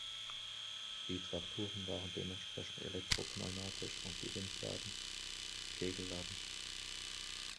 Die Trakturen waren dementsprechend elektropneumatisch und die Windladen Kegelladen.